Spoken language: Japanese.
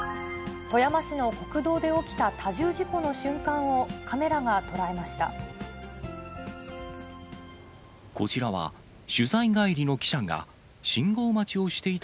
富山市の国道で起きた多重事故の瞬間を、カメラが捉えました。